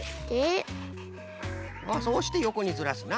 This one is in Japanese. あっそうしてよこにずらすな。